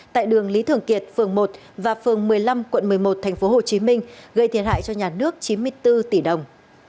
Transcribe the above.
tại đường lý thường kiệt phường một và phường một mươi năm quận một mươi một tp hcm gây thiệt hại cho nhà nước chín mươi bốn tỷ đồng